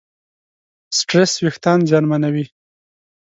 سټرېس وېښتيان زیانمنوي.